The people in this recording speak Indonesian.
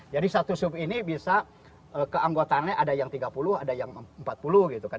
jadi satu sub ini bisa keanggotaannya ada yang tiga puluh ada yang empat puluh gitu kan